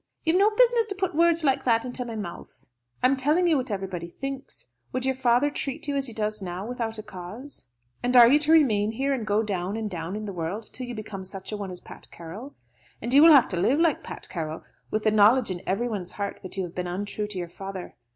'" "You've no business to put words like that into my mouth." "I'm telling you what everybody thinks. Would your father treat you as he does now without a cause? And are you to remain here, and to go down and down in the world till you become such a one as Pat Carroll? And you will have to live like Pat Carroll, with the knowledge in everyone's heart that you have been untrue to your father.